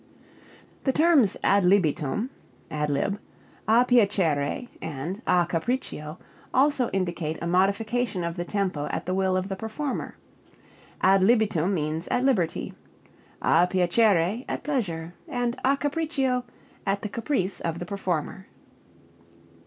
The terms ad libitum, (ad lib.), a piacere, and a capriccio, also indicate a modification of the tempo at the will of the performer. Ad libitum means at liberty; a piacere, at pleasure; and a capriccio, at the caprice (of the performer).